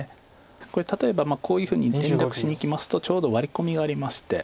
これ例えばこういうふうに連絡しにいきますとちょうどワリコミがありまして。